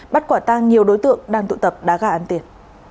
bắt quả tang nhiều đối tượng đang tụ tập đá gà ăn tiền